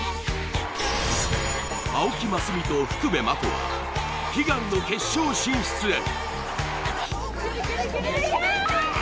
青木益未と福部真子は悲願の決勝進出へ。